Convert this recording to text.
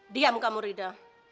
diam kamu rida